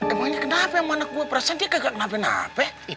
emangnya kenapa emang anak gue perasan dia gak kenapa napa